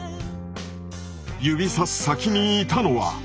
指さす先にいたのは。